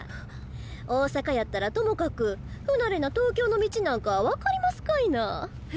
大阪やったらともかく不慣れな東京の道なんか分かりますかいな。